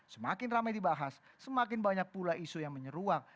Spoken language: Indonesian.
semakin ramai dibahas semakin banyak pula isu yang menyeruang